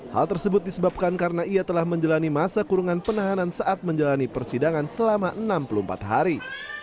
hal tersebut disebabkan karena ia telah menjalani masa kurungan penahanan saat menjalani persidangan selama enam puluh empat hari